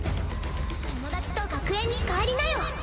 友達と学園に帰りなよ。